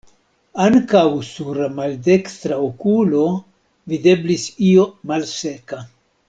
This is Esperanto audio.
Ankaŭ sur la maldekstra okulo videblis io malseka.